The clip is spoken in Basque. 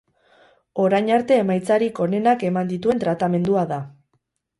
Orain arte emaitzarik onenak eman dituen tratamendua da.